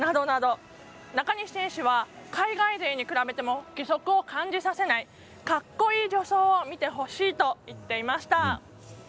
中西選手は海外勢に比べても義足を感じさせないかっこいい助走を見てほしいと言っていました。